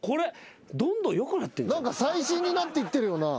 何か最新になっていってるよな。